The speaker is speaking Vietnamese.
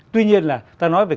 tuy nhiên là ta nói về